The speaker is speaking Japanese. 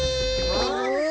あっ？